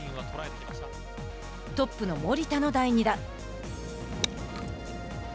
トップの森田の第２打。